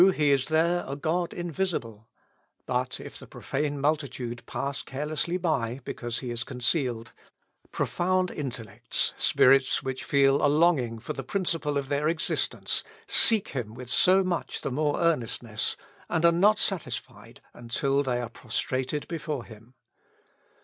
He is there a God invisible; but if the profane multitude pass carelessly by, because He is concealed, profound intellects, spirits which feel a longing for the principle of their existence, seek him with so much the more earnestness, and are not satisfied until they are prostrated before Him.